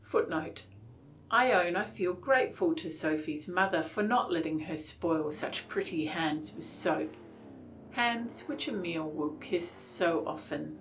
[Footnote: I own I feel grateful to Sophy's mother for not letting her spoil such pretty hands with soap, hands which Emile will kiss so often.